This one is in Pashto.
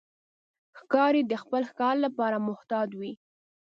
ښکاري د خپل ښکار لپاره محتاط وي.